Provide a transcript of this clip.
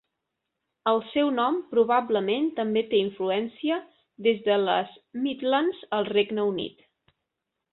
El seu nom probablement també té influència des de les Midlands al Regne Unit.